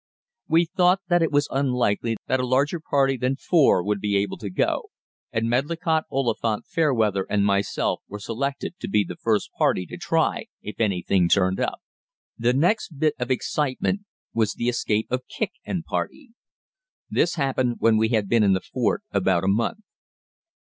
We thought that it was unlikely that a larger party than four would be able to go, and Medlicott, Oliphant, Fairweather, and myself were selected to be the first party to try if anything turned up. The next bit of excitement was the escape of Kicq and party. This happened when we had been in the fort about a month.